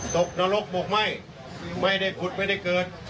กนรกบกไหม้ไม่ได้ขุดไม่ได้เกิด